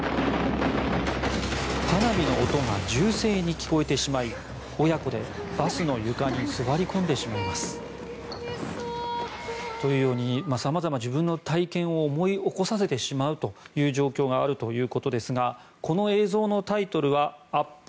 花火の音が銃声に聞こえてしまい親子でバスの床に座り込んでしまいます。というように様々、自分の体験を思い起こさせてしまうという状況があるということですがこの映像のタイトルは「Ｕｐｒｏｏｔｅｄ」。